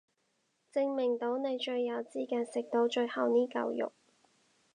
證明到你最有資格食到最後呢嚿肉